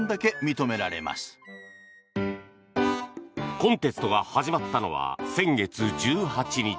コンテストが始まったのは先月１８日。